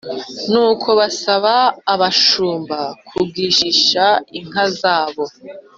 Nuko basaba abashumba kugishisha inka zose